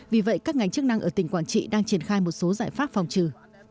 vì vậy các ngành chức năng ở tỉnh quảng trị đang triển khai một số giải pháp phòng trừ